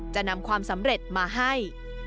จะนำความสำเร็จมาให้